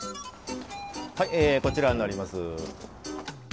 はいこちらになります。